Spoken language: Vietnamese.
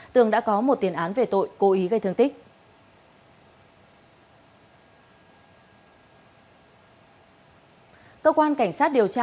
tường đã có một tiền án về tội cố ý gây thương tích